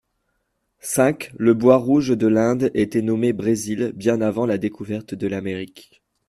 cinq Le bois rouge de l'Inde était nommé brésil, bien avant la découverte de l'Amérique.